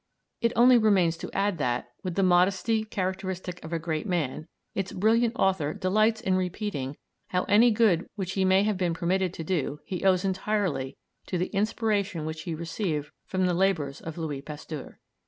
It only remains to add that, with the modesty characteristic of a great man, its brilliant author delights in repeating how any good which he may have been permitted to do he owes entirely to the inspiration which he received from the labours of Louis Pasteur.